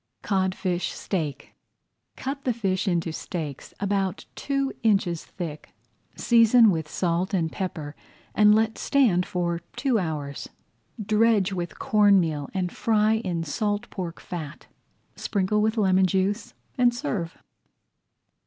CODFISH STEAK Cut the fish into steaks, about two inches thick, season with salt and pepper, and let stand for two hours. Dredge with corn meal and fry in salt pork fat. Sprinkle with lemon juice and serve.